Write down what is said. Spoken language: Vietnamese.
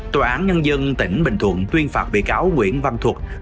tòa án nhân dân tỉnh bình thuận tuyên phạt bị cáo nguyễn văn thuật